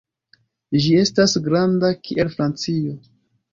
Ĝi estas granda kiel Francio.